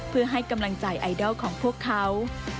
เพื่อให้กำลังใจไอดอลของพวกเขา